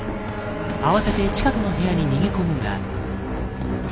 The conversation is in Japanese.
慌てて近くの部屋に逃げ込むが。